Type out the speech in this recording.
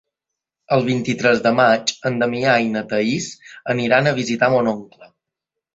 El vint-i-tres de maig en Damià i na Thaís aniran a visitar mon oncle.